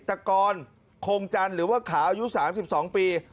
กรคงจันทร์หรือว่าขาวอายุ๓๒ปี